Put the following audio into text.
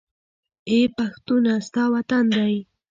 اې پښتونه! ستا وطن دى